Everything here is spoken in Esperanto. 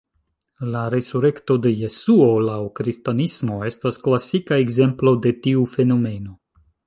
La resurekto de Jesuo laŭ Kristanismo estas klasika ekzemplo de tiu fenomeno.